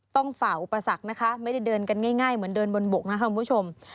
เฝ่าอุปสรรคนะคะไม่ได้เดินกันง่ายเหมือนเดินบนบกนะครับคุณผู้ชม